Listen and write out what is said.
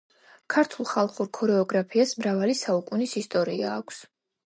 ქართულ ხალხურ ქორეოგრაფიას მრავალი საუკუნის ისტორია აქვს.